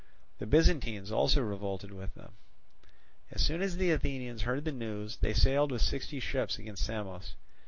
The Byzantines also revolted with them. As soon as the Athenians heard the news, they sailed with sixty ships against Samos.